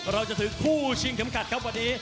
เราจะถึงคู่ชิงเข็มขัดครับวันนี้